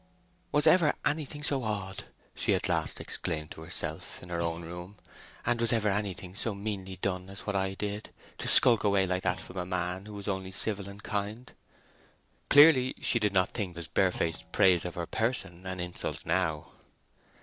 "Was ever anything so odd!" she at last exclaimed to herself, in her own room. "And was ever anything so meanly done as what I did—to skulk away like that from a man who was only civil and kind!" Clearly she did not think his barefaced praise of her person an insult now.